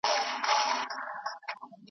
پوهه د کار کیفیت لوړوي.